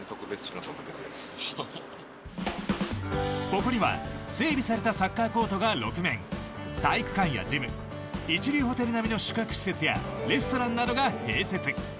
ここには整備されたサッカーコートが６面体育館やジム一流ホテル並みの宿泊施設やレストランなどが併設。